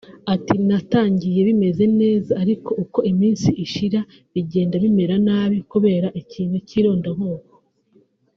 Ati “Natangiye bimeze neza ariko uko iminsi ishira bigenda bimera nabi kubera ikintu cy’irondakoko